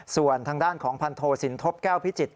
ส่วนทางด้านของพันโทสินทบแก้วพิจิตร